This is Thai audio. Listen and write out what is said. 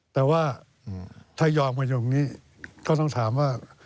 แต่ว่าถ้ายอมกันอยู่ตรงนี้ก็ต้องถามว่า